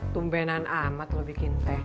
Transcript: tumbenan amat lo bikin teh